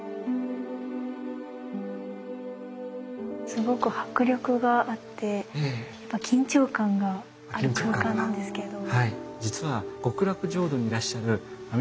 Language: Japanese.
すごく迫力があってやっぱ緊張感がある空間なんですけど。